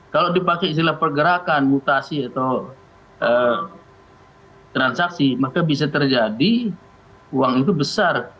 kalau dipakai istilah pergerakan mutasi atau transaksi maka bisa terjadi uang itu besar